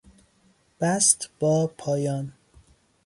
بسط با پایان